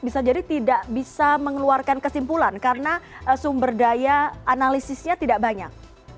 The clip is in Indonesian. bisa jadi tidak bisa mengeluarkan kesimpulan karena sumber daya analisisnya tidak banyak